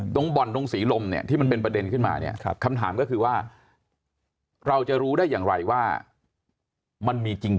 บ่อนตรงศรีลมเนี่ยที่มันเป็นประเด็นขึ้นมาเนี่ยคำถามก็คือว่าเราจะรู้ได้อย่างไรว่ามันมีจริง